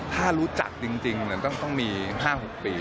ถ้ารู้จักจริงต้องมี๕๖ปี